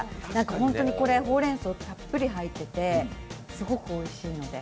本当にこれ、ほうれんそうたっぷり入ってて、すごくおいしいので。